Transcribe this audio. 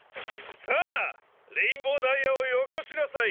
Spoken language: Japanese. さあレインボーダイヤをよこしなさい！